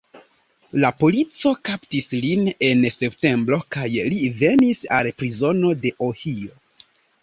La polico kaptis lin en septembro kaj li venis al prizono de Ohio.